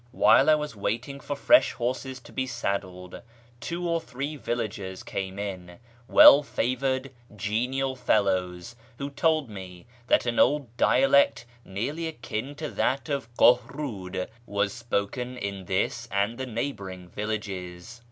While I was raiting for fresh horses to be saddled, two or three villagers [ame in, well favoured, genial fellows, who told me that an d dialect nearly akin to that of Kohrud was spoken in this lid the neighbouring villages.